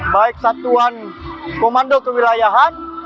baik satuan komando kewilayahan